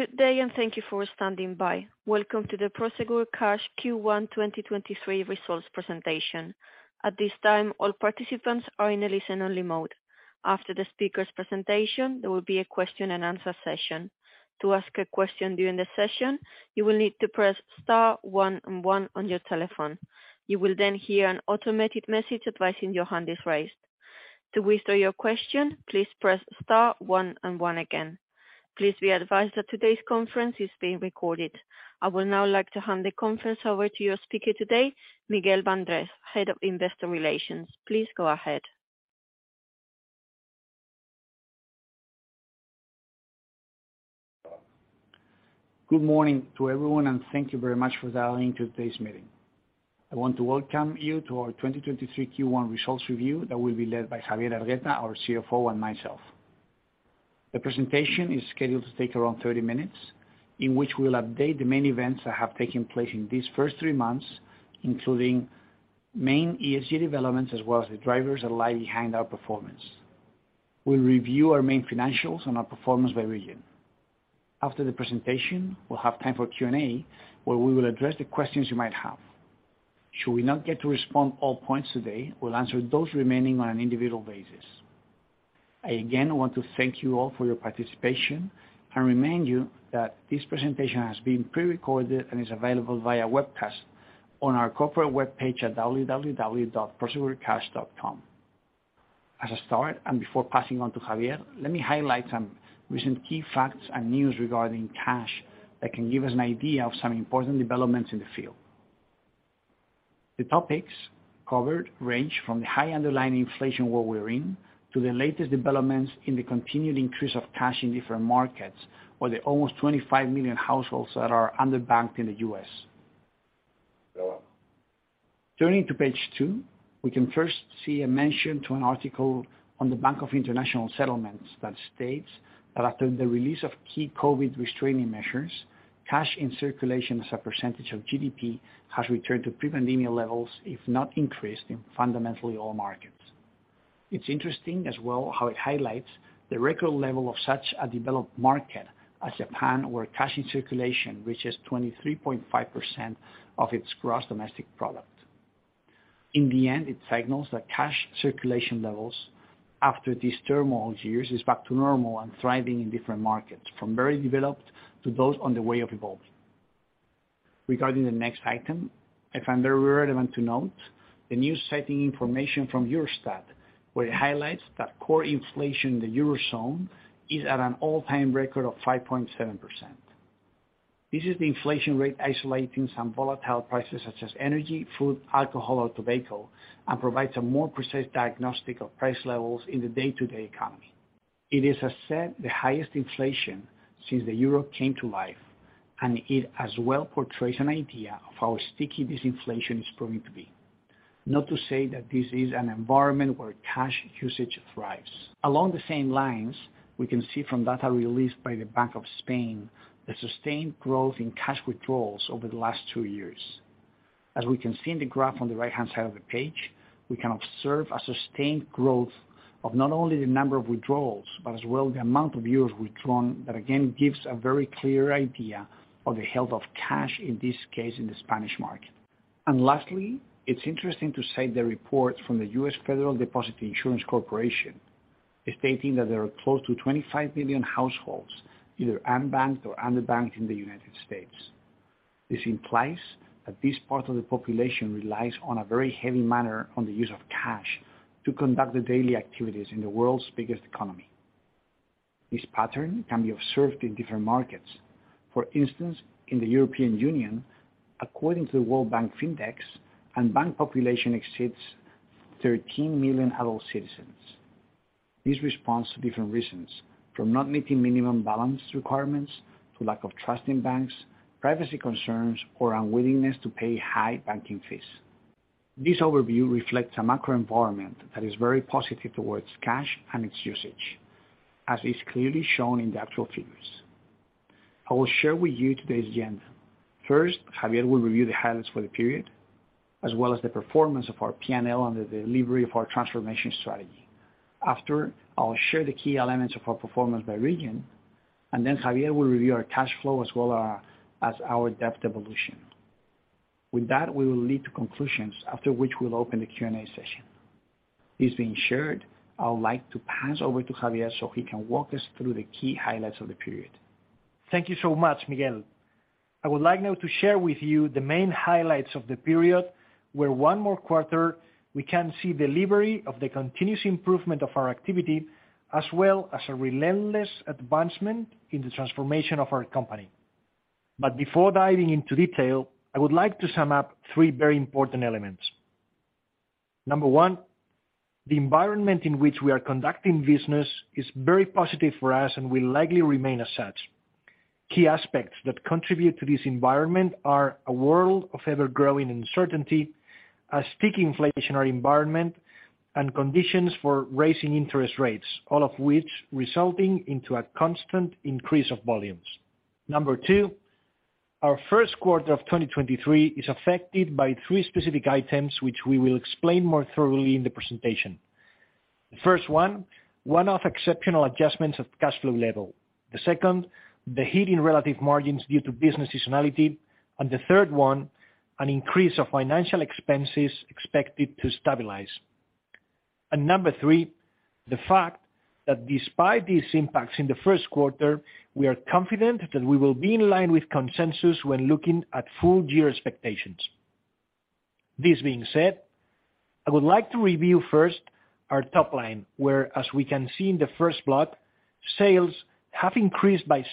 Good day and thank you for standing by. Welcome to the Prosegur Cash Q1 2023 Results Presentation. At this time, all participants are in a listen-only mode. After the speaker's presentation, there will be a question and answer session. To ask a question during the session, you will need to press star 11 on your telephone. You will then hear an automated message advising your hand is raised. To withdraw your question, please press star 11 again. Please be advised that today's conference is being recorded. I would now like to hand the conference over to your speaker today, Miguel Bandrés, Head of Investor Relations. Please go ahead. Good morning to everyone, and thank you very much for dialing to today's meeting. I want to welcome you to our 2023 Q1 results review that will be led by Javier Hergueta, our CFO, and myself. The presentation is scheduled to take around 30 minutes, in which we'll update the main events that have taken place in these first three months, including main ESG developments, as well as the drivers that lie behind our performance. We'll review our main financials and our performance by region. After the presentation, we'll have time for Q&A, where we will address the questions you might have. Should we not get to respond all points today, we'll answer those remaining on an individual basis. I again want to thank you all for your participation and remind you that this presentation has been prerecorded and is available via webcast on our corporate webpage at www.prosegurcash.com. As a start, and before passing on to Javier, let me highlight some recent key facts and news regarding cash that can give us an idea of some important developments in the field. The topics covered range from the high underlying inflation world we're in to the latest developments in the continued increase of cash in different markets, or the almost $25 million households that are underbanked in the U.S. Turning to page 2, we can first see a mention to an article on the Bank for International Settlements that states that after the release of key COVID restraining measures, cash in circulation as a percentage of GDP has returned to pre-pandemic levels, if not increased in fundamentally all markets. It's interesting as well how it highlights the record level of such a developed market as Japan, where cash in circulation reaches 23.5% of its gross domestic product. In the end, it signals that cash circulation levels after these turmoil years is back to normal and thriving in different markets, from very developed to those on the way of evolving. Regarding the next item, I find it very relevant to note the new setting information from Eurostat, where it highlights that core inflation in the Eurozone is at an all-time record of 5.7%. This is the inflation rate isolating some volatile prices such as energy, food, alcohol or tobacco, and provides a more precise diagnostic of price levels in the day-to-day economy. It is a set the highest inflation since the Euro came to life, it as well portrays an idea of how sticky this inflation is proving to be. Not to say that this is an environment where cash usage thrives. Along the same lines, we can see from data released by the Bank of Spain the sustained growth in cash withdrawals over the last two years. As we can see in the graph on the right-hand side of the page, we can observe a sustained growth of not only the number of withdrawals, but as well the amount of euros withdrawn. That, again, gives a very clear idea of the health of cash, in this case, in the Spanish market. Lastly, it's interesting to cite the report from the U.S. Federal Deposit Insurance Corporation, stating that there are close to 25 million households, either unbanked or underbanked in the United States. This implies that this part of the population relies on a very heavy manner on the use of cash to conduct the daily activities in the world's biggest economy. This pattern can be observed in different markets. For instance, in the European Union, according to the World Bank Findex, unbanked population exceeds 13 million adult citizens. This responds to different reasons, from not meeting minimum balance requirements to lack of trust in banks, privacy concerns, or unwillingness to pay high banking fees. This overview reflects a macro environment that is very positive towards cash and its usage, as is clearly shown in the actual figures. I will share with you today's agenda. First, Javier will review the highlights for the period, as well as the performance of our PNL on the delivery of our transformation strategy. After, I'll share the key elements of our performance by region, and then Javier will review our cash flow as well, as our debt evolution. With that, we will lead to conclusions after which we'll open the Q&A session. This being shared, I would like to pass over to Javier so he can walk us through the key highlights of the period. Thank you so much, Miguel. I would like now to share with you the main highlights of the period, where one more quarter we can see delivery of the continuous improvement of our activity, as well as a relentless advancement in the transformation of our company. Before diving into detail, I would like to sum up three very important elements. Number one, the environment in which we are conducting business is very positive for us and will likely remain as such. Key aspects that contribute to this environment are a world of ever-growing uncertainty, a sticky inflationary environment, and conditions for raising interest rates, all of which resulting into a constant increase of volumes. Number two- Our first quarter of 2023 is affected by three specific items, which we will explain more thoroughly in the presentation. The first one-off exceptional adjustments of cash flow level. The second, the hit in relative margins due to business seasonality. The third one, an increase of financial expenses expected to stabilize. Number three, the fact that despite these impacts in the first quarter, we are confident that we will be in line with consensus when looking at full-year expectations. This being said, I would like to review first our top line, where, as we can see in the first block, sales have increased by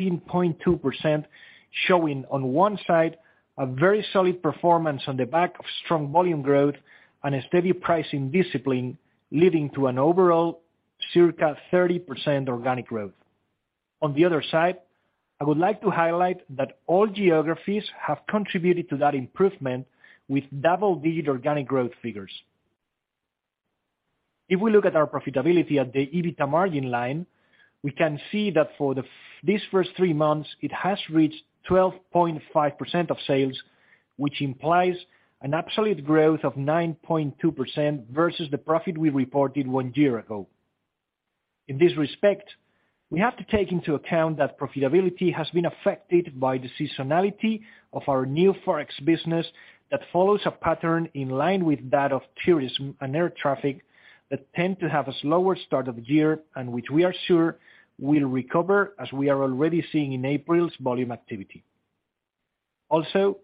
16.2%, showing on one side a very solid performance on the back of strong volume growth and a steady pricing discipline, leading to an overall circa 30% organic growth. On the other side, I would like to highlight that all geographies have contributed to that improvement with double-digit organic growth figures. If we look at our profitability at the EBITDA margin line, we can see that for these first three months, it has reached 12.5% of sales, which implies an absolute growth of 9.2% versus the profit we reported one year ago. In this respect, we have to take into account that profitability has been affected by the seasonality of our new Forex business that follows a pattern in line with that of tourism and air traffic that tend to have a slower start of the year, which we are sure will recover as we are already seeing in April's volume activity. Also,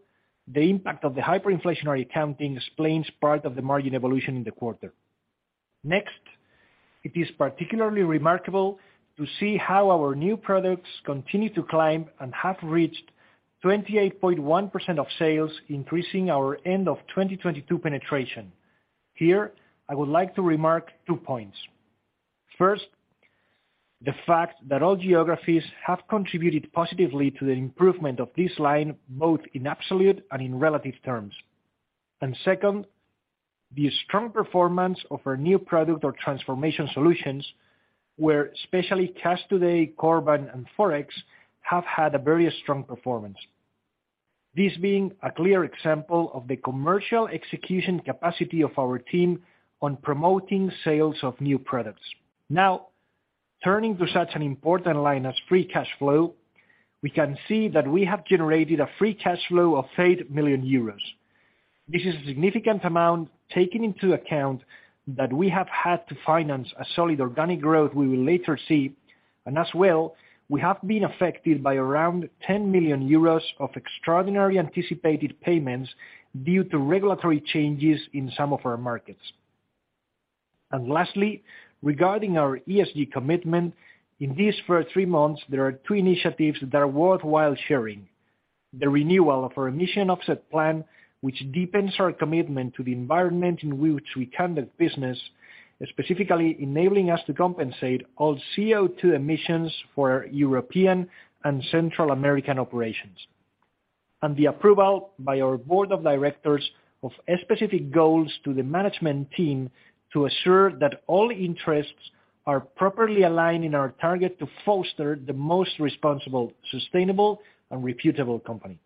the impact of the hyperinflationary accounting explains part of the margin evolution in the quarter. It is particularly remarkable to see how our new products continue to climb and have reached 28.1% of sales, increasing our end of 2022 penetration. Here, I would like to remark two points. First, the fact that all geographies have contributed positively to the improvement of this line, both in absolute and in relative terms. Second, the strong performance of our new product or transformation solutions, where especially Cash Today, Corban, and Forex have had a very strong performance. This being a clear example of the commercial execution capacity of our team on promoting sales of new products. Turning to such an important line as free cash flow, we can see that we have generated a free cash flow of 8 million euros. This is a significant amount taking into account that we have had to finance a solid organic growth we will later see, as well, we have been affected by around 10 million euros of extraordinary anticipated payments due to regulatory changes in some of our markets. Lastly, regarding our ESG commitment, in these first 3 months, there are 2 initiatives that are worthwhile sharing. The renewal of our emission offset plan, which deepens our commitment to the environment in which we conduct business, specifically enabling us to compensate all CO2 emissions for European and Central American operations. The approval by our board of directors of specific goals to the management team to assure that all interests are properly aligned in our target to foster the most responsible, sustainable, and reputable company.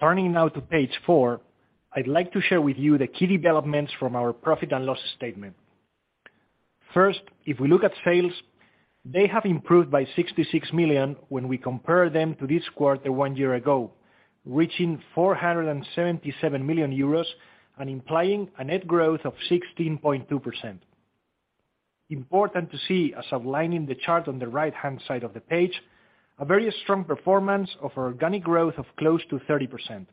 Turning now to page 4, I'd like to share with you the key developments from our profit and loss statement. First, if we look at sales, they have improved by 66 million when we compare them to this quarter one year ago, reaching 477 million euros and implying a net growth of 16.2%. Important to see as outlined in the chart on the right-hand side of the page, a very strong performance of organic growth of close to 30%.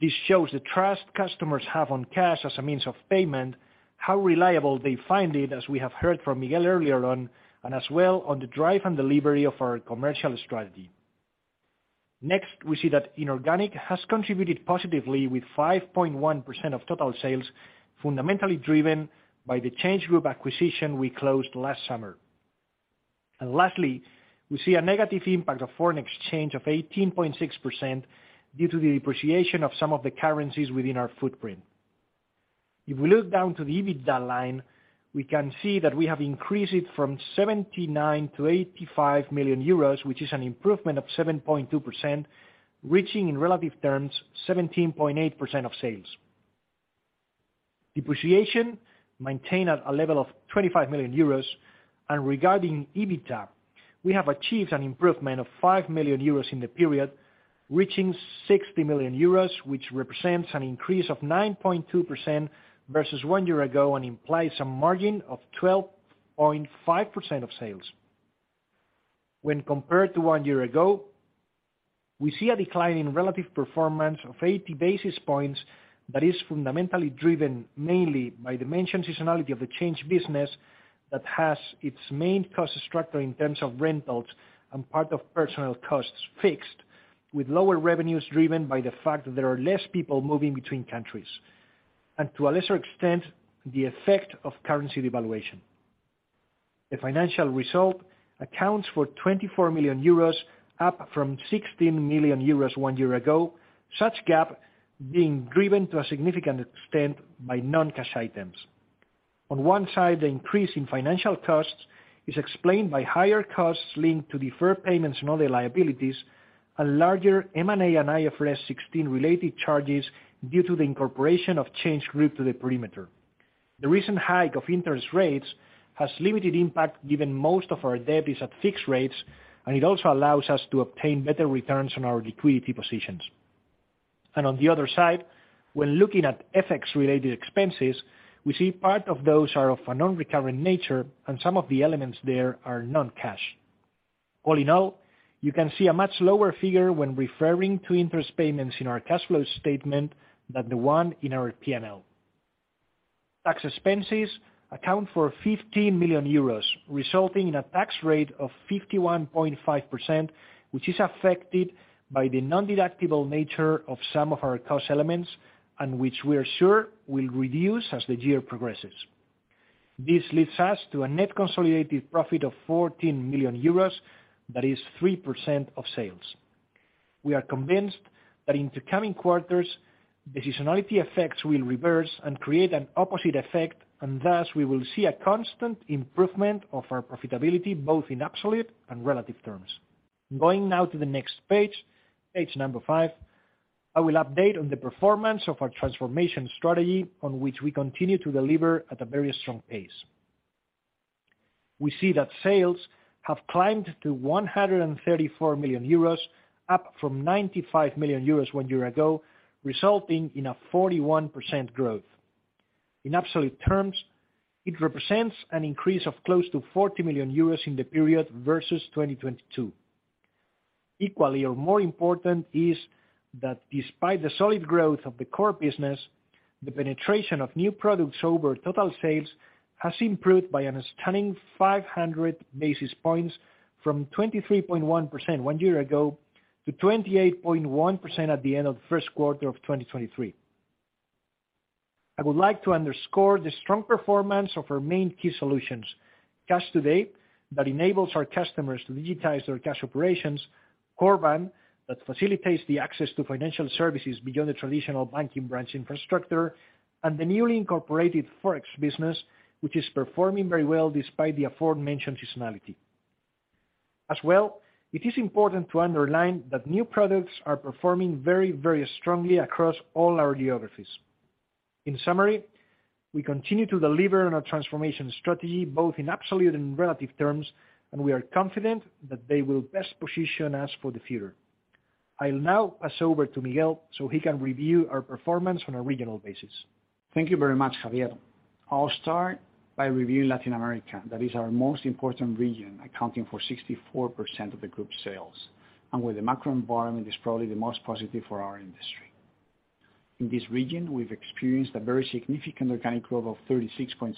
This shows the trust customers have on Cash as a means of payment, how reliable they find it, as we have heard from Miguel earlier on, and as well on the drive and delivery of our commercial strategy. Next, we see that inorganic has contributed positively with 5.1% of total sales, fundamentally driven by the ChangeGroup acquisition we closed last summer. Lastly, we see a negative impact of foreign exchange of 18.6% due to the depreciation of some of the currencies within our footprint. If we look down to the EBITDA line, we can see that we have increased it from 79 million to 85 million euros, which is an improvement of 7.2%, reaching in relative terms 17.8% of sales. Depreciation maintained at a level of 25 million euros. Regarding EBITDA, we have achieved an improvement of 5 million euros in the period, reaching 60 million euros, which represents an increase of 9.2% versus one year ago and implies a margin of 12.5% of sales. When compared to one year ago, we see a decline in relative performance of 80 basis points that is fundamentally driven mainly by the mentioned seasonality of the Change business that has its main cost structure in terms of rentals and part of personnel costs fixed, with lower revenues driven by the fact that there are less people moving between countries. To a lesser extent, the effect of currency devaluation. The financial result accounts for 24 million euros, up from 16 million euros one year ago, such gap being driven to a significant extent by non-cash items. On one side, the increase in financial costs is explained by higher costs linked to deferred payments and other liabilities and larger M&A and IFRS 16 related charges due to the incorporation of ChangeGroup to the perimeter. The recent hike of interest rates has limited impact, given most of our debt is at fixed rates, and it also allows us to obtain better returns on our liquidity positions. On the other side, when looking at FX related expenses, we see part of those are of a non-recurrent nature, and some of the elements there are non-cash. All in all, you can see a much lower figure when referring to interest payments in our cash flow statement than the one in our P&L. Tax expenses account for 50 million euros, resulting in a tax rate of 51.5%, which is affected by the non-deductible nature of some of our cost elements, and which we are sure will reduce as the year progresses. This leads us to a net consolidated profit of 14 million euros, that is 3% of sales. We are convinced that in the coming quarters, seasonality effects will reverse and create an opposite effect, and thus, we will see a constant improvement of our profitability, both in absolute and relative terms. Going now to the next page number 5, I will update on the performance of our transformation strategy, on which we continue to deliver at a very strong pace. We see that sales have climbed to 134 million euros, up from 95 million euros one year ago, resulting in a 41% growth. In absolute terms, it represents an increase of close to 40 million euros in the period versus 2022. Equally or more important is that despite the solid growth of the core business, the penetration of new products over total sales has improved by an stunning 500 basis points from 23.1% one year ago to 28.1% at the end of the first quarter of 2023. I would like to underscore the strong performance of our main key solutions. Cash Today, that enables our customers to digitize their cash operations. Corban, that facilitates the access to financial services beyond the traditional banking branch infrastructure. The newly incorporated Forex business, which is performing very well despite the aforementioned seasonality. As well, it is important to underline that new products are performing very, very strongly across all our geographies. In summary, we continue to deliver on our transformation strategy, both in absolute and relative terms, and we are confident that they will best position us for the future. I'll now pass over to Miguel, so he can review our performance on a regional basis. Thank you very much, Javier. I'll start by reviewing Latin America. That is our most important region, accounting for 64% of the group sales, and where the macro environment is probably the most positive for our industry. In this region, we've experienced a very significant organic growth of 36.6%,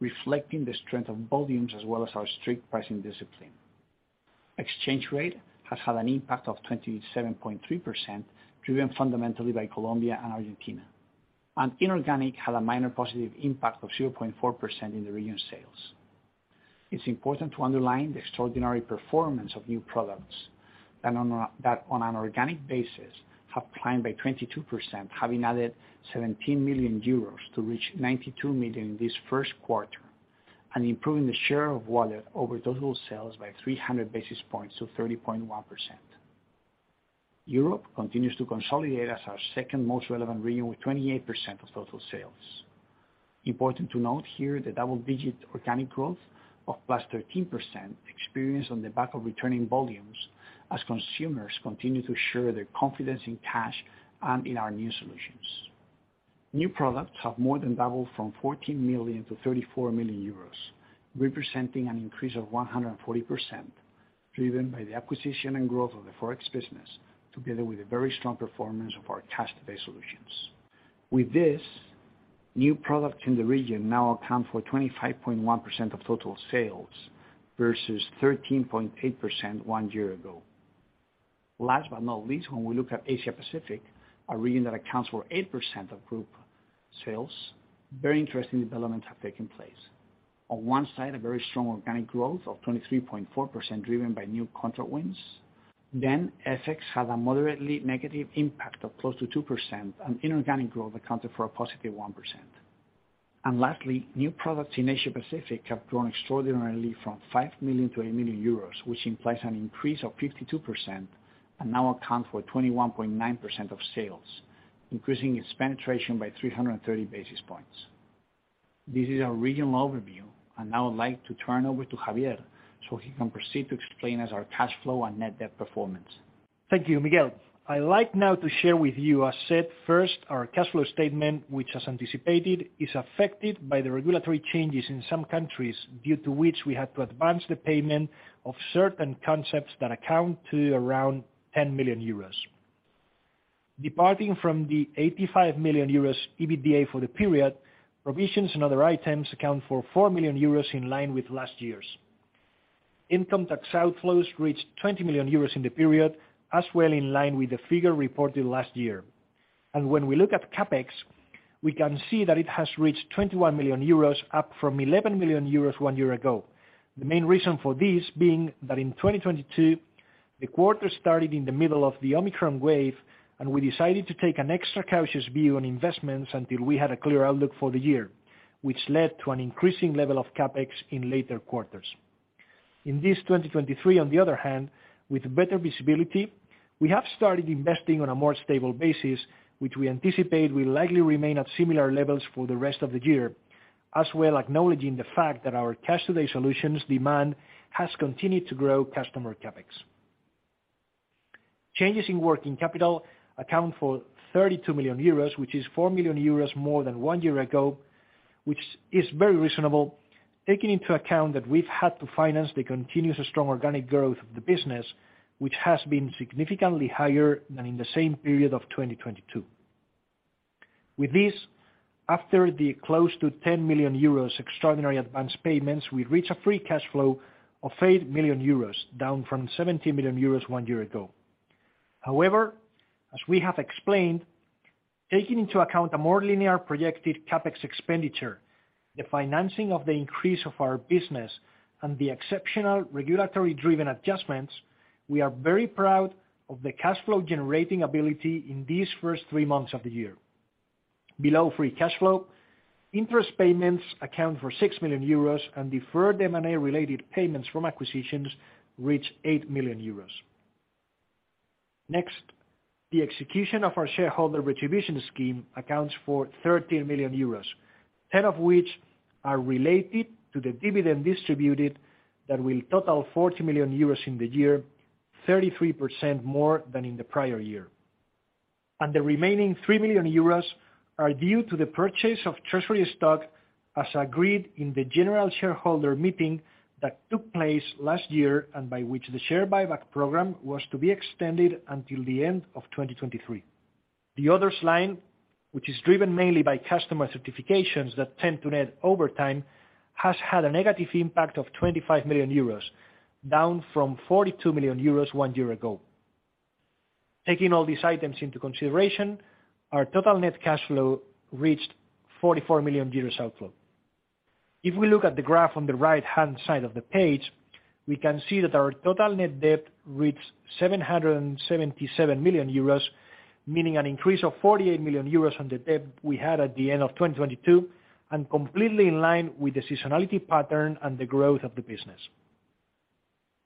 reflecting the strength of volumes as well as our strict pricing discipline. Exchange rate has had an impact of 27.3%, driven fundamentally by Colombia and Argentina. Inorganic had a minor positive impact of 0.4% in the region sales. It's important to underline the extraordinary performance of new products that on an organic basis have climbed by 22%, having added 17 million euros to reach 92 million this first quarter, and improving the share of wallet over total sales by 300 basis points to 30.1%. Europe continues to consolidate as our second most relevant region with 28% of total sales. Important to note here, the double-digit organic growth of +13% experienced on the back of returning volumes as consumers continue to share their confidence in cash and in our new solutions. New products have more than doubled from 14 million to 34 million euros, representing an increase of 140%, driven by the acquisition and growth of the Forex business, together with the very strong performance of our cash-based solutions. With this, new products in the region now account for 25.1% of total sales versus 13.8% one year ago. Last but not least, when we look at Asia-Pacific, a region that accounts for 8% of group sales, very interesting developments have taken place. On one side, a very strong organic growth of 23.4%, driven by new contract wins. FX had a moderately negative impact of close to 2%, and inorganic growth accounted for a positive 1%. Lastly, new products in Asia-Pacific have grown extraordinarily from 5 million to 8 million euros, which implies an increase of 52% and now account for 21.9% of sales, increasing its penetration by 330 basis points. This is our regional overview. Now I'd like to turn over to Javier, so he can proceed to explain as our cash flow and net debt performance. Thank you, Miguel. I'd like now to share with you, as said, first, our cash flow statement, which, as anticipated, is affected by the regulatory changes in some countries, due to which we had to advance the payment of certain concepts that account to around 10 million euros. Departing from the 85 million euros EBITDA for the period, provisions and other items account for 4 million euros in line with last year's. Income tax outflows reached 20 million euros in the period, as well in line with the figure reported last year. When we look at CapEx, we can see that it has reached 21 million euros, up from 11 million euros one year ago. The main reason for this being that in 2022. The quarter started in the middle of the Omicron wave, and we decided to take an extra cautious view on investments until we had a clear outlook for the year, which led to an increasing level of CapEx in later quarters. In this 2023, on the other hand, with better visibility, we have started investing on a more stable basis, which we anticipate will likely remain at similar levels for the rest of the year, as well acknowledging the fact that our Cash Today solutions demand has continued to grow customer CapEx. Changes in working capital account for 32 million euros, which is 4 million euros more than one year ago, which is very reasonable, taking into account that we've had to finance the continuous strong organic growth of the business, which has been significantly higher than in the same period of 2022. With this, after the close to 10 million euros extraordinary advance payments, we reach a free cash flow of 8 million euros, down from 17 million euros one year ago. As we have explained, taking into account a more linear projected CapEx expenditure, the financing of the increase of our business and the exceptional regulatory driven adjustments, we are very proud of the cash flow generating ability in these first three months of the year. Below free cash flow, interest payments account for 6 million euros and deferred M&A related payments from acquisitions reach 8 million euros. The execution of our shareholder retribution scheme accounts for 13 million euros, 10 of which are related to the dividend distributed that will total 40 million euros in the year, 33% more than in the prior year. The remaining 3 million euros are due to the purchase of treasury stock as agreed in the general shareholder meeting that took place last year and by which the share buyback program was to be extended until the end of 2023. The others line, which is driven mainly by customer certifications that tend to net over time, has had a negative impact of 25 million euros, down from 42 million euros 1 year ago. Taking all these items into consideration, our total net cash flow reached 44 million euros outflow. We look at the graph on the right-hand side of the page, we can see that our total net debt reached 777 million euros, meaning an increase of 48 million euros on the debt we had at the end of 2022, and completely in line with the seasonality pattern and the growth of the business.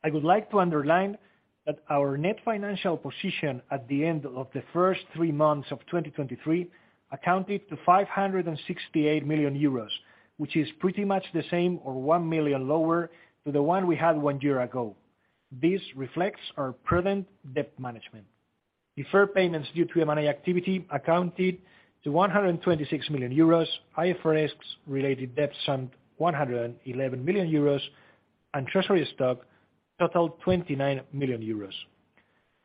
I would like to underline that our net financial position at the end of the first three months of 2023 accounted to 568 million euros, which is pretty much the same or 1 million lower to the one we had one year ago. This reflects our prudent debt management. Deferred payments due to M&A activity accounted to 126 million euros. IFRS related debts summed 111 million euros and treasury stock totaled 29 million euros.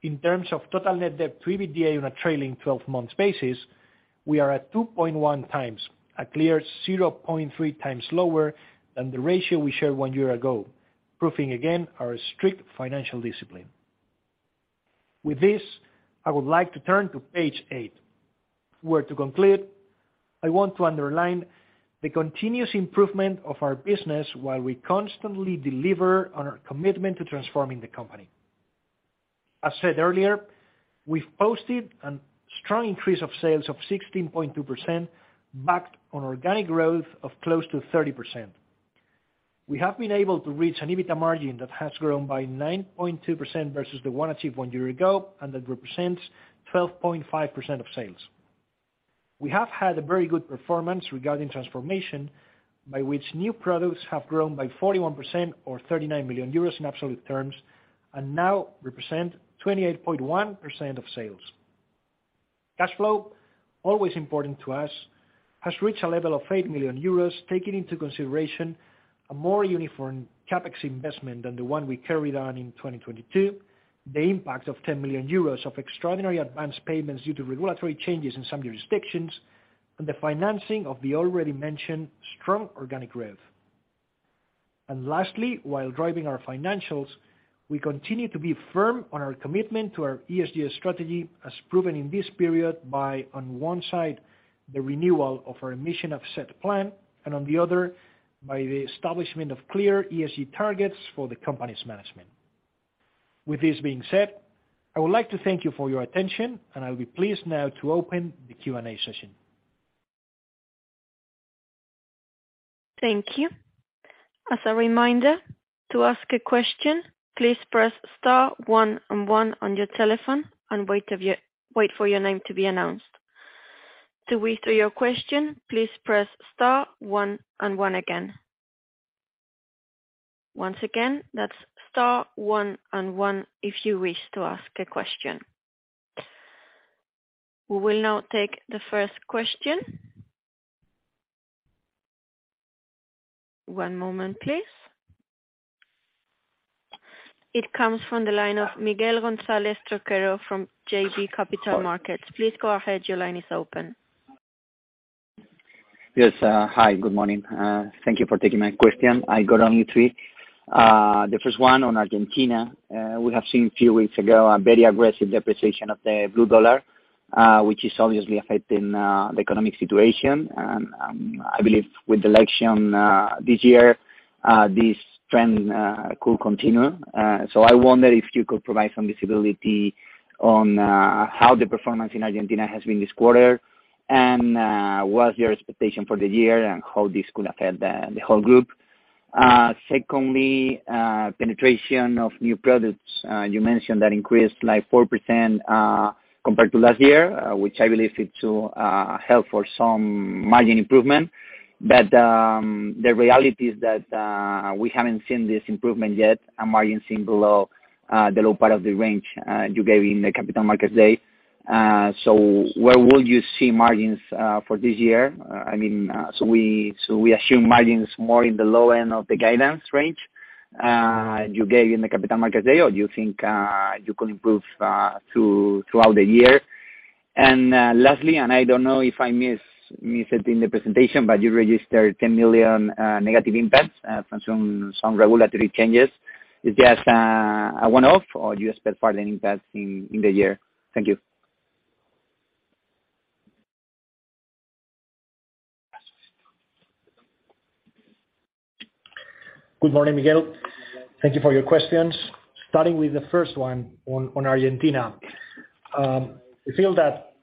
In terms of total net debt to EBITDA on a trailing 12 months basis, we are at 2.1 times, a clear 0.3 times lower than the ratio we shared one year ago, proving again our strict financial discipline. With this, I would like to turn to page 8, where to conclude, I want to underline the continuous improvement of our business while we constantly deliver on our commitment to transforming the company. As said earlier, we've posted a strong increase of sales of 16.2%, backed on organic growth of close to 30%. We have been able to reach an EBITDA margin that has grown by 9.2% versus the one achieved one year ago, and that represents 12.5% of sales. We have had a very good performance regarding transformation, by which new products have grown by 41% or 39 million euros in absolute terms and now represent 28.1% of sales. Cash flow, always important to us, has reached a level of 8 million euros, taking into consideration a more uniform CapEx investment than the one we carried on in 2022, the impact of 10 million euros of extraordinary advanced payments due to regulatory changes in some jurisdictions, and the financing of the already mentioned strong organic growth. Lastly, while driving our financials, we continue to be firm on our commitment to our ESG strategy, as proven in this period by, on one side, the renewal of our emission offset plan and on the other, by the establishment of clear ESG targets for the company's management. With this being said, I would like to thank you for your attention, and I'll be pleased now to open the Q&A session. Thank you. As a reminder, to ask a question, please press star one and one on your telephone and wait for your name to be announced. To withdraw your question, please press star one and one again. Once again, that's star one and one if you wish to ask a question. We will now take the first question. One moment, please. It comes from the line of Miguel González Toquero from JB Capital Markets. Please go ahead. Your line is open. Yes. Hi, good morning. Thank you for taking my question. I got only three. The first one on Argentina. We have seen a few weeks ago a very aggressive depreciation of the blue dollar. Which is obviously affecting the economic situation. I believe with election this year, this trend could continue. I wonder if you could provide some visibility on how the performance in Argentina has been this quarter, and what's your expectation for the year, and how this could affect the whole group. Secondly, penetration of new products. You mentioned that increased like 4% compared to last year, which I believe help for some margin improvement. The reality is that we haven't seen this improvement yet, and margin seem below the low part of the range you gave in the Capital Markets Day. Where will you see margins for this year? I mean, so we assume margins more in the low end of the guidance range, you gave in the Capital Markets Day, or do you think you can improve throughout the year? Lastly, and I don't know if I missed it in the presentation, but you registered 10 million negative impacts from some regulatory changes. Is this a one-off, or do you expect further impacts in the year? Thank you. Good morning, Miguel. Thank you for your questions. Starting with the first one on Argentina. We feel that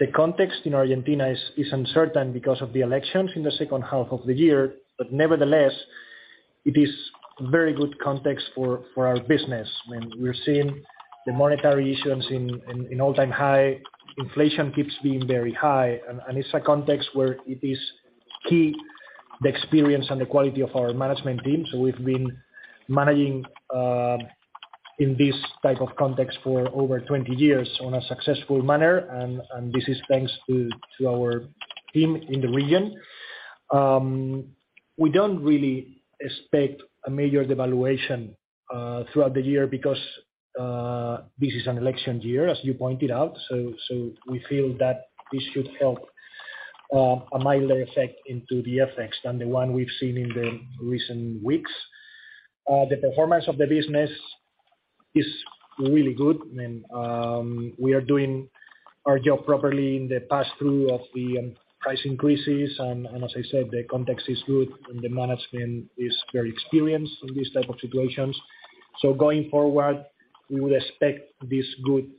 the context in Argentina is uncertain because of the elections in the second half of the year. Nevertheless, it is very good context for our business. I mean, we're seeing the monetary issuance in all-time high. Inflation keeps being very high. It's a context where it is key the experience and the quality of our management team. We've been managing in this type of context for over 20 years on a successful manner. This is thanks to our team in the region. We don't really expect a major devaluation throughout the year because this is an election year, as you pointed out. So we feel that this should help a milder effect into the effects than the one we've seen in the recent weeks. The performance of the business is really good. We are doing our job properly in the pass-through of the price increases. As I said, the context is good, and the management is very experienced in these type of situations. Going forward, we would expect this good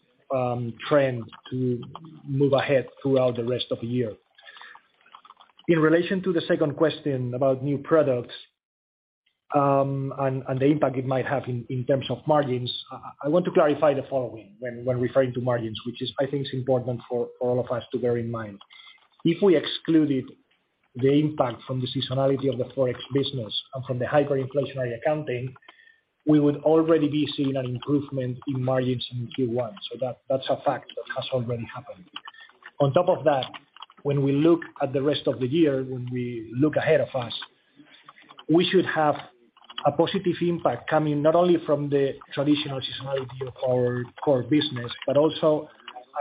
trend to move ahead throughout the rest of the year. In relation to the second question about new products, and the impact it might have in terms of margins, I want to clarify the following when referring to margins, which is, I think is important for all of us to bear in mind. If we excluded the impact from the seasonality of the Forex business and from the hyperinflationary accounting, we would already be seeing an improvement in margins in Q1. That's a fact that has already happened. When we look at the rest of the year, when we look ahead of us, we should have a positive impact coming not only from the traditional seasonality of our core business, but also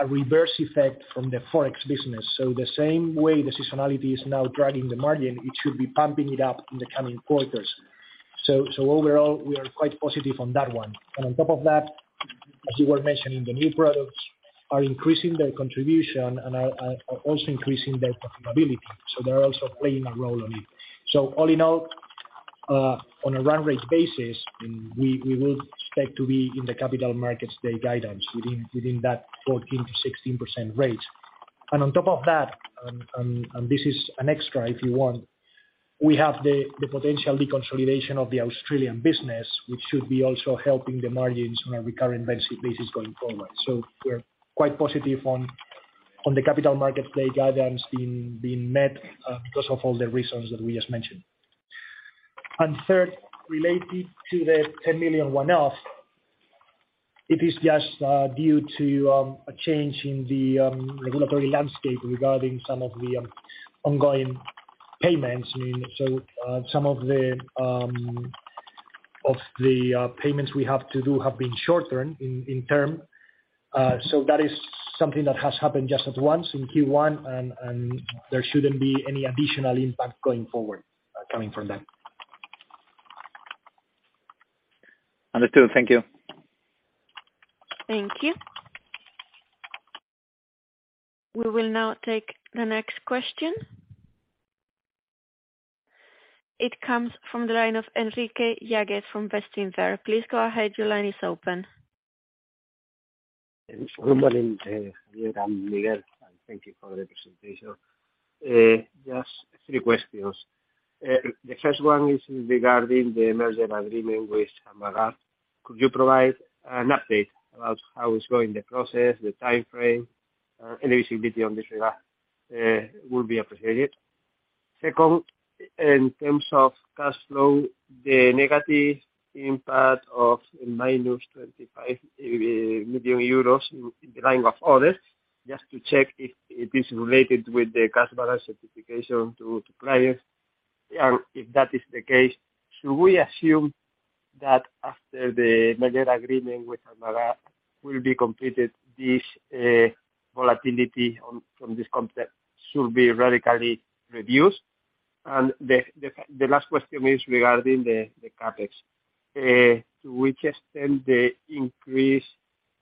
a reverse effect from the Forex business. The same way the seasonality is now driving the margin, it should be pumping it up in the coming quarters. Overall, we are quite positive on that one. As you were mentioning, the new products are increasing their contribution and are also increasing their profitability, so they're also playing a role on it. All in all, on a run rate basis, we will expect to be in the Capital Markets Day guidance within that 14%-16% range. On top of that, and this is an extra if you want, we have the potential reconsolidation of the Australian business, which should be also helping the margins on a recurring basis going forward. We're quite positive on the Capital Markets Day guidance being met because of all the reasons that we just mentioned. Third, related to the 10 million one-off, it is just due to a change in the regulatory landscape regarding some of the ongoing payments. I mean, some of the payments we have to do have been short-term in term. That is something that has happened just at once in Q1, and there shouldn't be any additional impact going forward, coming from that. Understood. Thank you. Thank you. We will now take the next question. It comes from the line of Enrique Yágüez from Bestinver. Please go ahead. Your line is open. Good morning, Javier and Miguel, thank you for the presentation. Just three questions. The first one is regarding the merger agreement with Armaguard. Could you provide an update about how it's going, the process, the timeframe? Any visibility on this regard will be appreciated. Second, in terms of cash flow, the negative impact of minus 25 million euros in the line of orders, just to check if it is related with the cash balance certification to clients. If that is the case, should we assume that after the merger agreement with Armaguard will be completed, this volatility on, from this concept should be radically reduced? The last question is regarding the CapEx. to which extent the increase,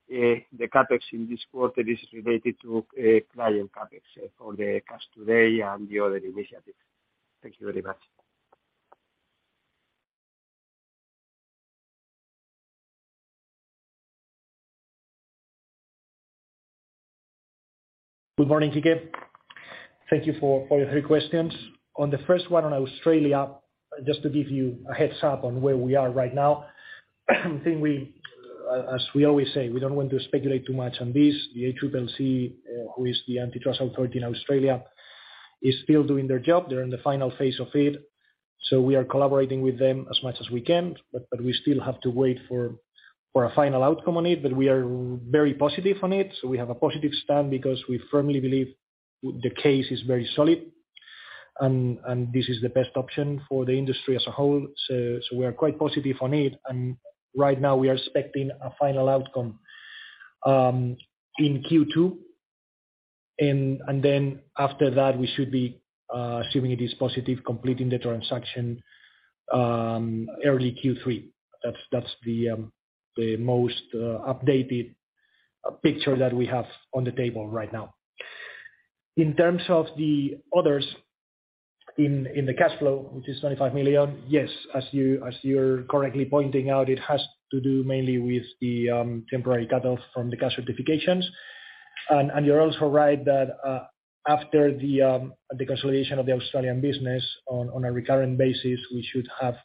the CapEx in this quarter is related to, client CapEx for the Cash Today and the other initiatives? Thank you very much. Good morning, Kike. Thank you for all your 3 questions. On the first one on Australia, just to give you a heads-up on where we are right now. I think we, as we always say, we don't want to speculate too much on this. The ACCC, who is the antitrust authority in Australia, is still doing their job. They're in the final phase of it. We are collaborating with them as much as we can, but we still have to wait for a final outcome on it. We are very positive on it. We have a positive stand because we firmly believe the case is very solid, and this is the best option for the industry as a whole. We are quite positive on it. Right now we are expecting a final outcome in Q2. Then after that, we should be, assuming it is positive, completing the transaction, early Q3. That's the most updated picture that we have on the table right now. In terms of the others in the cash flow, which is 95 million, yes, as you're correctly pointing out, it has to do mainly with the temporary cutoffs from the cash certifications. You're also right that, after the consolidation of the Australian business on a recurring basis, we should have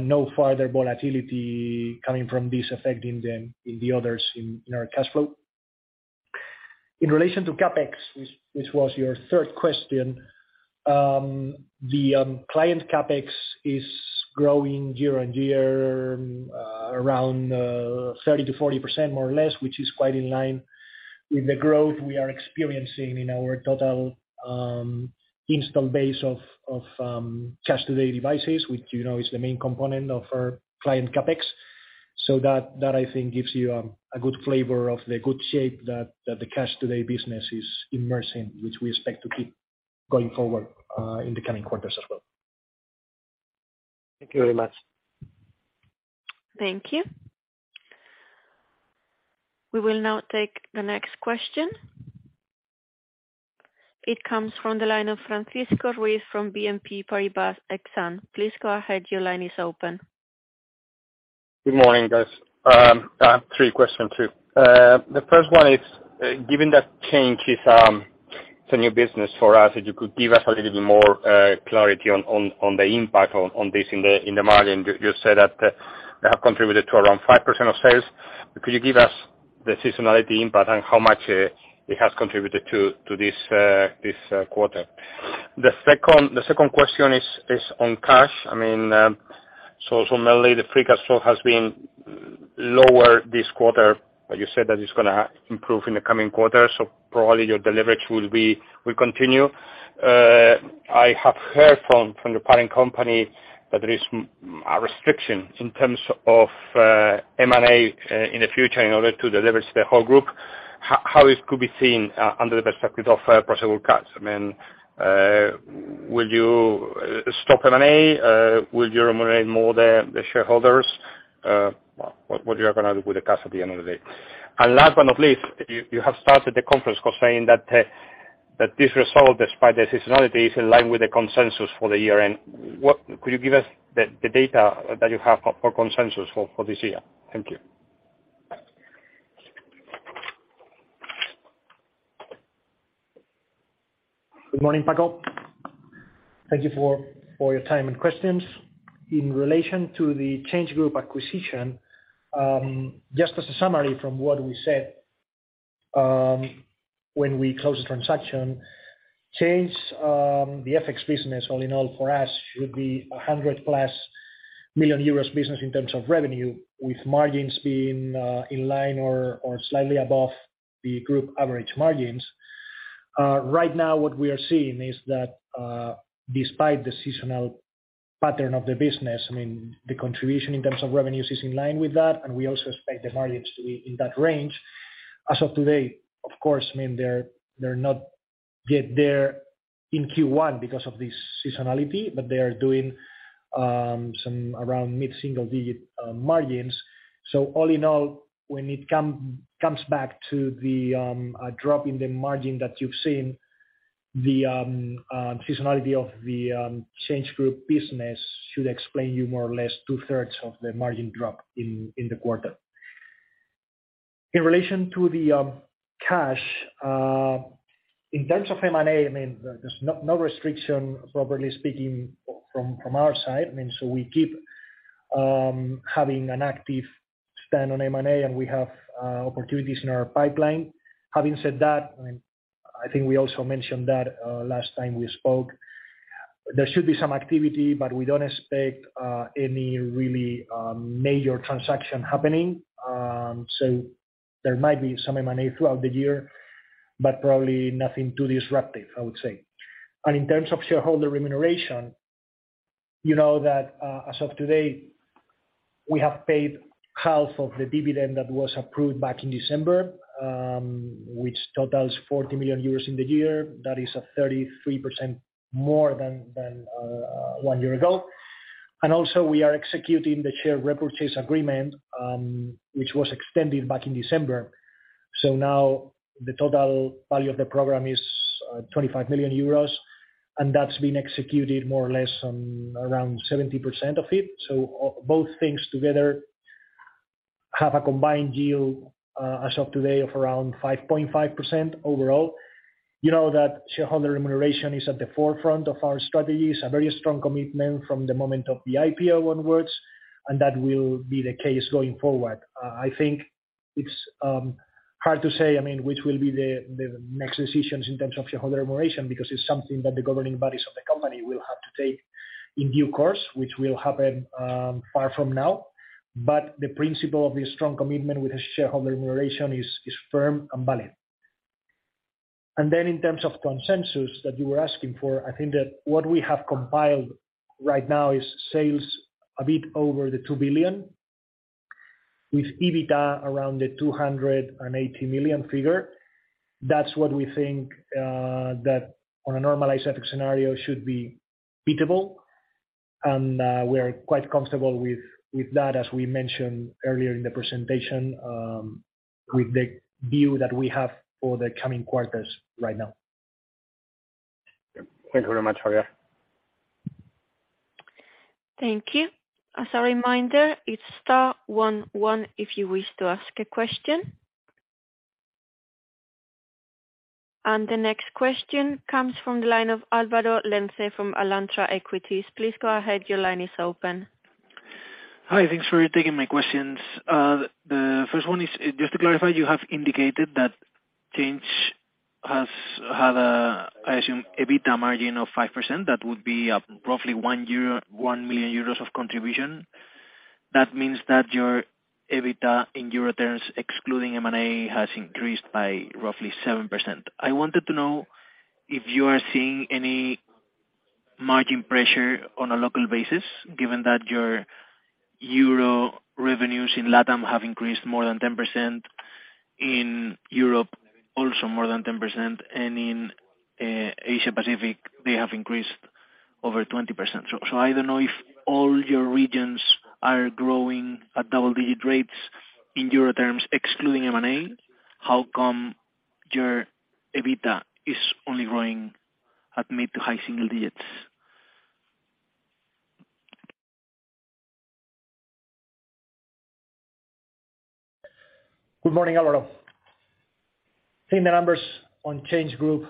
no further volatility coming from this affecting them in the others in our cash flow. In relation to CapEx, which was your third question, the client CapEx is growing year-over-year, around 30%-40% more or less, which is quite in line with the growth we are experiencing in our total install base of Cash Today devices, which, you know, is the main component of our client CapEx. That I think gives you a good flavor of the good shape that the Cash Today business is immersing, which we expect to keep going forward, in the coming quarters as well. Thank you very much. Thank you. We will now take the next question. It comes from the line of Francisco Ruiz from BNP Paribas Exane. Please go ahead. Your line is open. Good morning, guys. I have 3 questions too. The first one is, given that Change is, it's a new business for us, if you could give us a little bit more clarity on the impact on this in the margin. You said that it have contributed to around 5% of sales. Could you give us the seasonality impact and how much it has contributed to this quarter? The second question is on cash. I mean, mainly the free cash flow has been lower this quarter, but you said that it's gonna improve in the coming quarters, so probably your leverage will continue. I have heard from the parent company that there is a restriction in terms of M&A in the future in order to deliver the whole group. How it could be seen under the perspective of priceable cash? I mean, will you stop M&A? Will you remunerate more than the shareholders? What are you going to do with the cash at the end of the day? And last but not the least, you have started the conference by saying that this result, despite seasonality, is in line with the consensus for the year. Could you give us the data that you have for consensus for this year? Thank you. Good morning, Paco. Thank you for your time and questions. In relation to the ChangeGroup acquisition, just as a summary from what we said, when we closed the transaction, ChangeGroup, the FX business all in all for us should be a 100+ million euros business in terms of revenue, with margins being in line or slightly above the group average margins. Right now what we are seeing is that despite the seasonal pattern of the business, I mean, the contribution in terms of revenues is in line with that, and we also expect the margins to be in that range. As of today, of course, I mean, they're not yet there in Q1 because of the seasonality, but they are doing some around mid-single digit margins. All in all, when it comes back to the drop in the margin that you've seen, the seasonality of the ChangeGroup business should explain you more or less two-thirds of the margin drop in the quarter. In relation to the cash, in terms of M&A, I mean, there's no restriction, properly speaking, from our side. I mean, we keep having an active stand on M&A, and we have opportunities in our pipeline. Having said that, I mean, I think we also mentioned that last time we spoke, there should be some activity, but we don't expect any really major transaction happening. There might be some M&A throughout the year, but probably nothing too disruptive, I would say. In terms of shareholder remuneration. You know that, as of today, we have paid half of the dividend that was approved back in December, which totals 40 million euros in the year. That is 33% more than 1 year ago. Also, we are executing the share repurchase agreement, which was extended back in December. Now the total value of the program is 25 million euros, and that's been executed more or less on around 70% of it. Both things together have a combined yield, as of today, of around 5.5% overall. You know that shareholder remuneration is at the forefront of our strategies, a very strong commitment from the moment of the IPO onwards, and that will be the case going forward. I think it's hard to say, I mean, which will be the next decisions in terms of shareholder remuneration, because it's something that the governing bodies of the company will have to take in due course, which will happen far from now. The principle of the strong commitment with the shareholder remuneration is firm and valid. In terms of consensus that you were asking for, I think that what we have compiled right now is sales a bit over 2 billion with EBITDA around the 280 million figure. That's what we think that on a normalized FX scenario should be beatable. We are quite comfortable with that, as we mentioned earlier in the presentation, with the view that we have for the coming quarters right now. Thank you very much, Javier. Thank you. As a reminder, it's star one one if you wish to ask a question. The next question comes from the line of Alvaro Lenze from Alantra Equities. Please go ahead. Your line is open. Hi. Thanks for taking my questions. The first one is just to clarify, you have indicated that Change has had, I assume, EBITDA margin of 5%. That would be roughly 1 million euros of contribution. That means that your EBITDA in EUR terms, excluding M&A, has increased by roughly 7%. I wanted to know if you are seeing any margin pressure on a local basis, given that your EUR revenues in LATAM have increased more than 10%, in Europe also more than 10%, and in Asia-Pacific, they have increased over 20%. I don't know if all your regions are growing at double-digit rates in EUR terms, excluding M&A, how come your EBITDA is only growing at mid to high single digits? Good morning, Alvaro. I think the numbers on ChangeGroup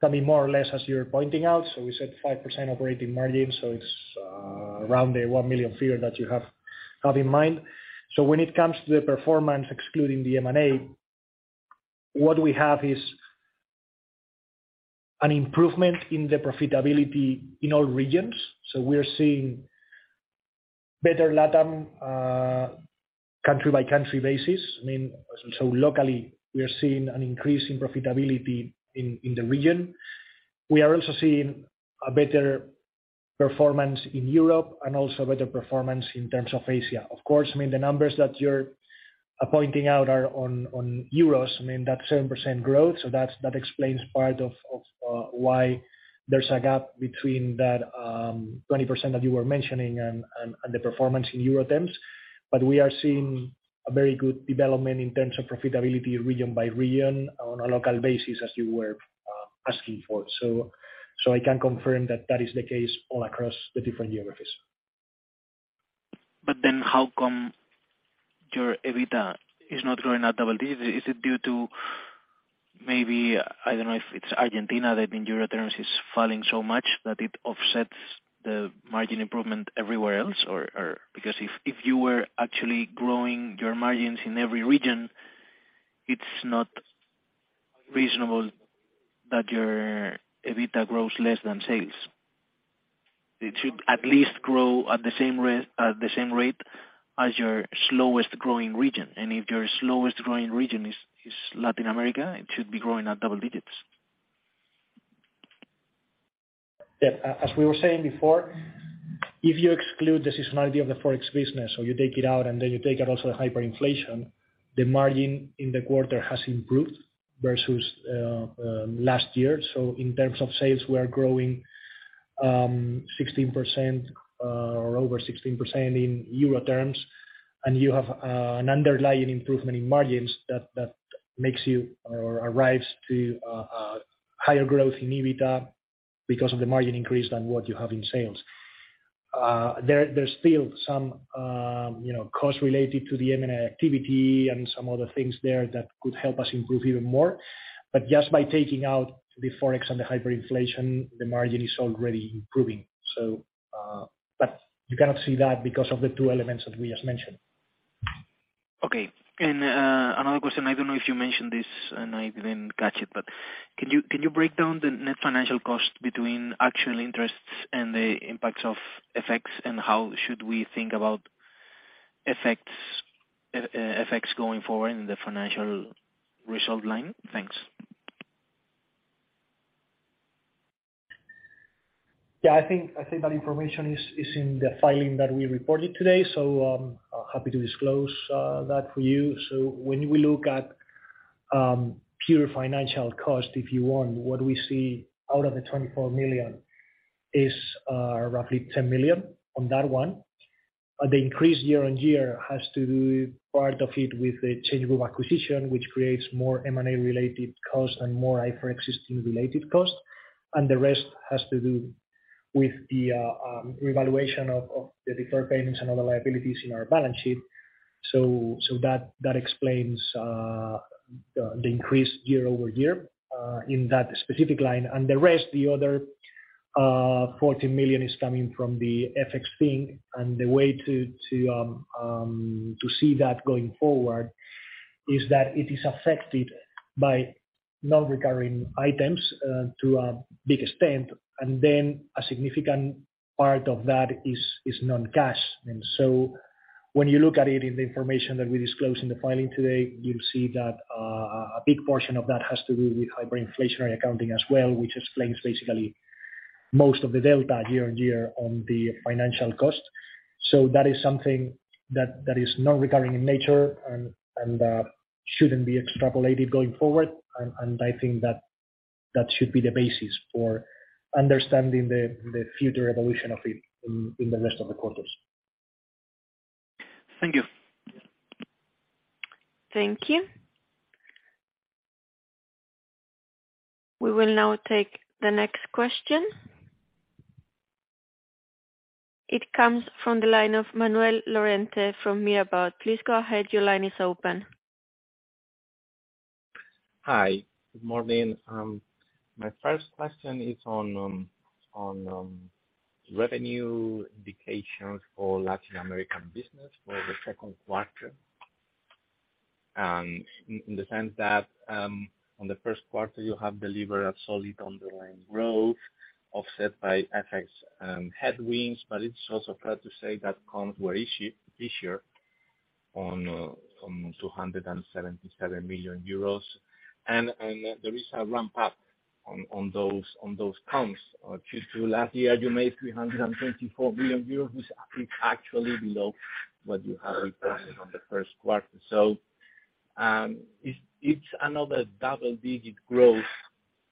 can be more or less as you're pointing out. We said 5% operating margin, it's around the 1 million figure that you have in mind. When it comes to the performance excluding the M&A, what we have is an improvement in the profitability in all regions. We are seeing better LATAM, country by country basis. I mean, locally, we are seeing an increase in profitability in the region. We are also seeing a better performance in Europe and also better performance in terms of Asia. Of course, I mean, the numbers that you're pointing out are on euros. I mean, that's 7% growth, so that's, that explains part of why there's a gap between that 20% that you were mentioning and the performance in EUR terms. We are seeing a very good development in terms of profitability region by region on a local basis, as you were asking for. I can confirm that that is the case all across the different geographies. How come your EBITDA is not growing at double-digits? Is it due to maybe, I don't know if it's Argentina that in euro terms is falling so much that it offsets the margin improvement everywhere else? Or because if you were actually growing your margins in every region, it's not reasonable that your EBITDA grows less than sales. It should at least grow at the same rate as your slowest growing region. If your slowest growing region is Latin America, it should be growing at double-digits. As we were saying before, if you exclude the seasonality of the Forex business, so you take it out, and then you take out also the hyperinflation, the margin in the quarter has improved versus last year. In terms of sales, we are growing 16% or over 16% in EUR terms. You have an underlying improvement in margins that makes you or arrives to a higher growth in EBITDA because of the margin increase than what you have in sales. There's still some, you know, costs related to the M&A activity and some other things there that could help us improve even more. Just by taking out the Forex and the hyperinflation, the margin is already improving. You cannot see that because of the two elements that we just mentioned. Okay. Another question, I don't know if you mentioned this and I didn't catch it, but can you break down the net financial cost between actual interests and the impacts of FX? How should we think about FX going forward in the financial result line? Thanks. Yeah, I think that information is in the filing that we reported today, happy to disclose that for you. When we look at pure financial cost, if you want, what we see out of the 24 million is roughly 10 million on that one. The increase year-over-year has to do part of it with the ChangeGroup acquisition, which creates more M&A related costs and more IFRS related costs. The rest has to do with the revaluation of the deferred payments and other liabilities in our balance sheet. That explains the increase year-over-year in that specific line. The rest, the other, 14 million is coming from the FX thing. The way to see that going forward is that it is affected by non-recurring items to a big extent, and then a significant part of that is non-cash. When you look at it in the information that we disclose in the filing today, you'll see that a big portion of that has to do with hyperinflationary accounting as well, which explains basically most of the delta year-over-year on the financial cost. That is something that is non-recurring in nature and shouldn't be extrapolated going forward. I think that should be the basis for understanding the future evolution of it in the rest of the quarters. Thank you. Thank you. We will now take the next question. It comes from the line of Manuel Lorente from Mirabaud. Please go ahead. Your line is open. Hi. Good morning. My first question is on revenue indications for Latin American business for the second quarter. In the sense that, on the first quarter you have delivered a solid underlying growth offset by FX headwinds, but it's also fair to say that comps were easy this year on 277 million euros. There is a ramp up on those comps. Q2 last year you made 324 million euros, is actually below what you have requested on the first quarter. Is each another double-digit growth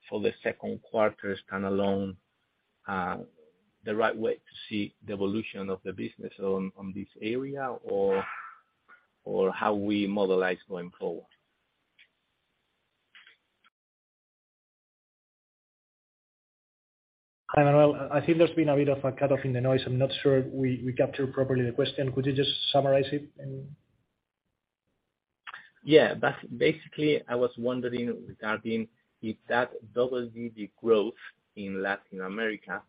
for the second quarter stand alone the right way to see the evolution of the business on this area or how we modelize going forward? Hi, Manuel. I think there's been a bit of a cut off in the noise. I'm not sure we captured properly the question. Could you just summarize it and... Yeah. Basically, I was wondering regarding if that double-digit growth in Latin America,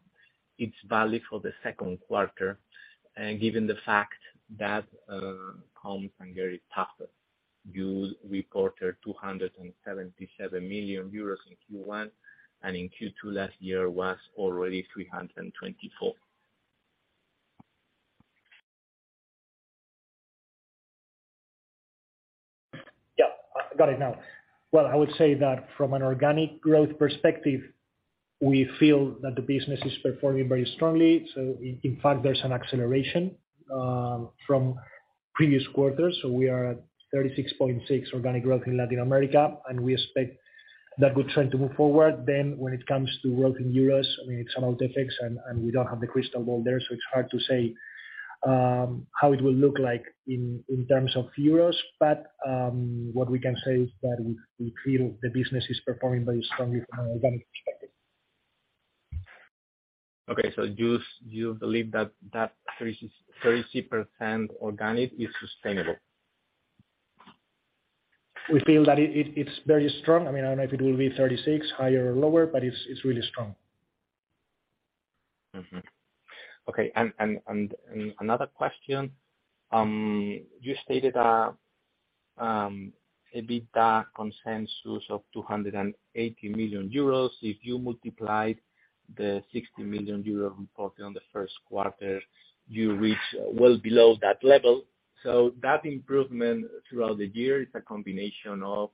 it's valid for the second quarter, and given the fact that comps are very tougher. You reported 277 million euros in Q1, and in Q2 last year was already 324 million. Yeah, I got it now. Well, I would say that from an organic growth perspective, we feel that the business is performing very strongly. In fact, there's an acceleration from previous quarters. We are at 36.6 organic growth in Latin America, and we expect that good trend to move forward. When it comes to growth in euros, I mean, it's all FX and we don't have the crystal ball there, so it's hard to say how it will look like in terms of euros. What we can say is that we feel the business is performing very strongly from an organic perspective. Okay. you believe that 30% organic is sustainable? We feel that it's very strong. I mean, I don't know if it will be 36, higher or lower, but it's really strong. Okay. Another question. You stated EBITDA consensus of 280 million euros. If you multiply the 60 million euro reported on the first quarter, you reach well below that level. That improvement throughout the year is a combination of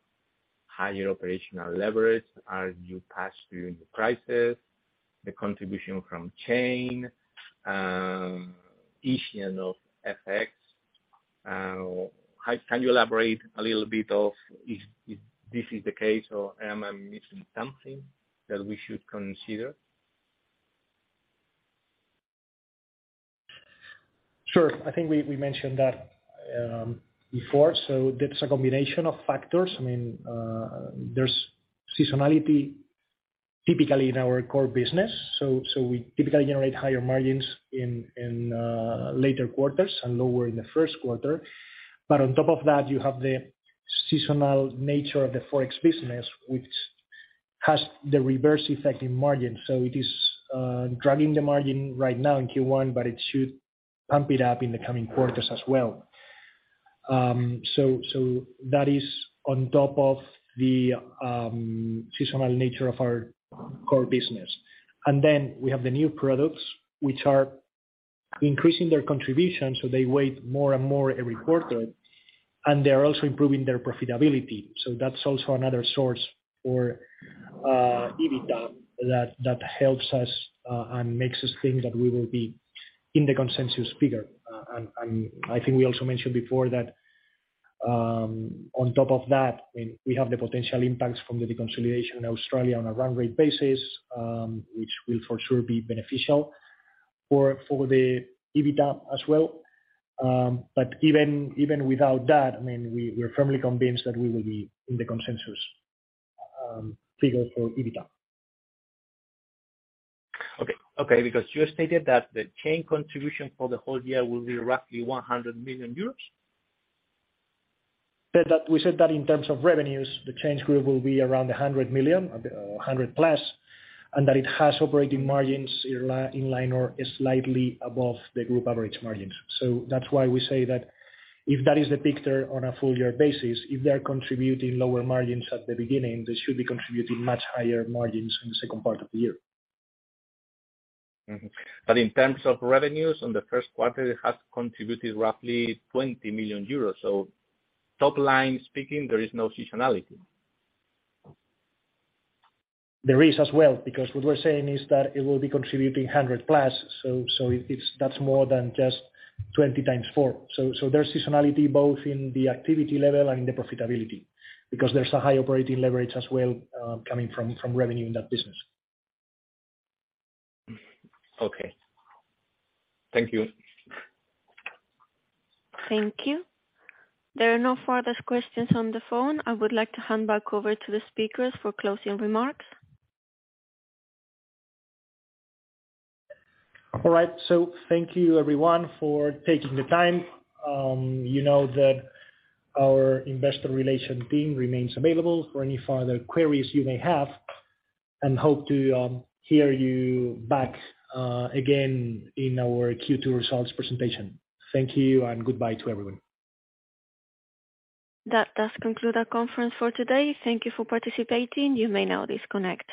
higher operational leverage as you pass through the crisis, the contribution from ChangeGroup, issuing of FX. How can you elaborate a little bit of if this is the case or am I missing something that we should consider? Sure. I think we mentioned that before. That's a combination of factors. I mean, there's seasonality typically in our core business. We typically generate higher margins in later quarters and lower in the first quarter. On top of that, you have the seasonal nature of the Forex business, which has the reverse effect in margin. It is dragging the margin right now in Q1, but it should ramp it up in the coming quarters as well. That is on top of the seasonal nature of our core business. We have the new products which are increasing their contribution so they weight more and more every quarter, and they're also improving their profitability. That's also another source for EBITDA that helps us and makes us think that we will be in the consensus figure. And I think we also mentioned before that, on top of that, I mean, we have the potential impacts from the deconsolidation in Australia on a run rate basis, which will for sure be beneficial for the EBITDA as well. But even without that, I mean, we're firmly convinced that we will be in the consensus figure for EBITDA. Okay, you stated that the ChangeGroup contribution for the whole year will be roughly 100 million euros. Said that, we said that in terms of revenues, the ChangeGroup will be around 100 million or 100+, and that it has operating margins in line or slightly above the group average margins. That's why we say that if that is the picture on a full year basis, if they are contributing lower margins at the beginning, they should be contributing much higher margins in the second part of the year. Mm-hmm. In terms of revenues, on the first quarter, it has contributed roughly 20 million euros. Top line speaking, there is no seasonality. There is as well, because what we're saying is that it will be contributing 100+, so it's that's more than just 20 times 4. There's seasonality both in the activity level and in the profitability, because there's a high operating leverage as well, coming from revenue in that business. Okay. Thank you. Thank you. There are no further questions on the phone. I would like to hand back over to the speakers for closing remarks. All right. Thank you everyone for taking the time. You know that our Investor Relations team remains available for any further queries you may have, and hope to hear you back again in our Q2 results presentation. Thank you and goodbye to everyone. That does conclude our conference for today. Thank you for participating. You may now disconnect.